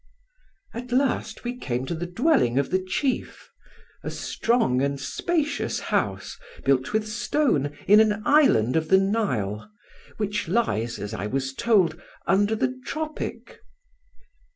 "At last we came to the dwelling of our chief; a strong and spacious house, built with stone in an island of the Nile, which lies, as I was told, under the tropic.